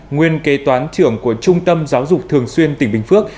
nguyên kế toán trưởng của trung tâm giáo dục thường xuyên tỉnh bình phước